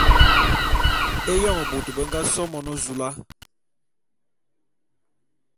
Éyoň bôt be nga so Monezula.